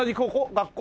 学校？